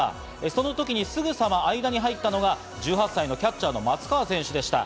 その時すぐさま間に入ったのが１８歳のキャッチャーの松川選手でした。